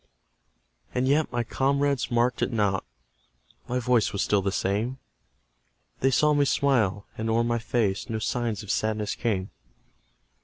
And yet my comrades marked it not: My voice was still the same; They saw me smile, and o'er my face No signs of sadness came.